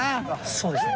そうですね